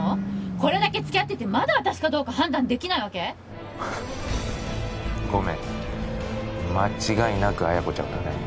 これだけ付き合っててまだ私かどうか判断できないわけフフッごめん間違いなく彩子ちゃんだね